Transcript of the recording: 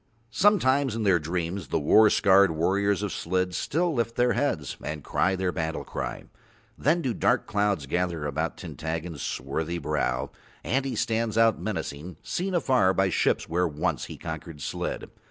Sometimes in their dreams the war scarred warriors of Slid still lift their heads and cry their battle cry; then do dark clouds gather about Tintaggon's swarthy brow and he stands out menacing, seen afar by ships, where once he conquered Slid.